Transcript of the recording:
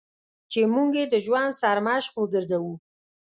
چې موږ یې د ژوند سرمشق وګرځوو.